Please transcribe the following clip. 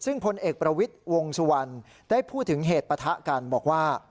ซึ่งพลเอกประวิทย์วงสุวรรณได้พูดถึงเหตุปะทะกันบอกว่า